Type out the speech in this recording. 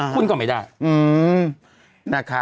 คุณก็ไม่ได้